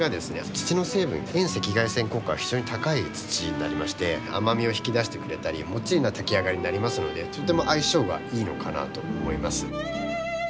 土の成分遠赤外線効果が非常に高い土になりまして甘みを引き出してくれたりもっちりな炊き上がりになりますのでとても相性がいいのかなと思います。